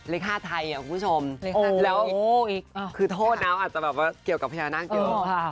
เลข๕ไทยคุณผู้ชมแล้วคือโทษนะอาจจะแบบว่าเกี่ยวกับพญานาคเยอะ